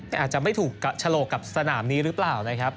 แต่อาจจะไม่ถูกฉลกกับสนามนี้หรือเปล่านะครับ